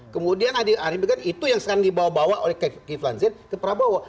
kemudian andi arief bilang itu yang sekarang dibawa bawa oleh kiflan zain ke prabowo